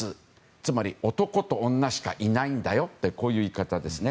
つまり、男と女しかいないんだよという言い方ですね。